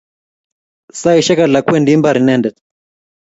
Saisyek alak kwendi imbar inendet.